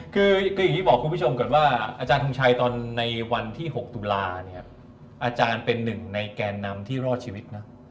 คืออย่างที่บอกคุณผู้ชมก่อนว่าอาจารย์ทงชัยตอนในวันที่๖ตุลาเนี่ยอาจารย์เป็นหนึ่งในแกนนำที่รอดชีวิตนะ